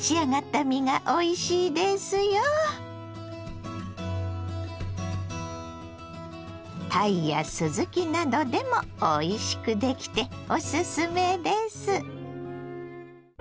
たいやすずきなどでもおいしくできておすすめです。